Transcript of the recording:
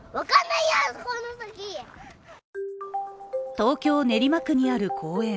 東京・練馬区にある公園。